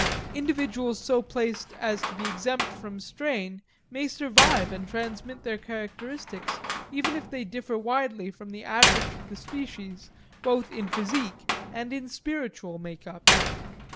Individuals so placed as to be exempt from strain may survive and transmit their characteristics even if they differ widely from the average of the species both in physique and in spiritual make up.